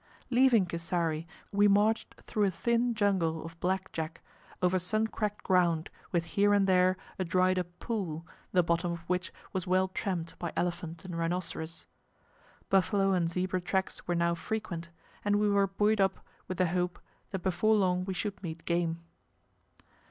Leaving Kisari, we marched through a thin jungle of black jack, over sun cracked ground with here and there a dried up pool, the bottom of which was well tramped by elephant and rhinoceros. Buffalo and zebra tracks were now frequent, and we were buoyed up with the hope that before long we should meet game.